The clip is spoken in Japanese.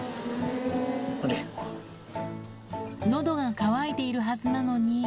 のどが渇いているはずなのに。